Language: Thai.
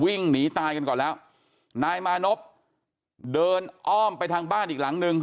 วิ่งหนีตายกันก่อนแล้วนายมานพเดินอ้อมไปทางบ้านอีกหลังนึง